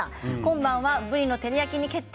今晩はぶりの照り焼きに決定。